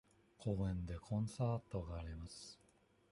公園でコンサートがあります。